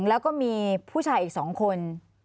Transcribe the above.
แล้วก็มีผู้ชายอีก๒คน